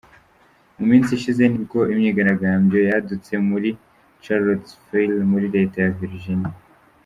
Mu minsi ishize nibwo imyigaragambyo yadutse muri Charlottesville muri Leta ya Virginia.